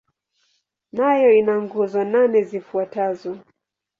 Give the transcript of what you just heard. Nayo ina nguzo nane zifuatazo.